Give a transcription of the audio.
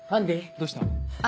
どうした？